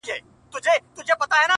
حقيقت لا هم پټ دی ډېر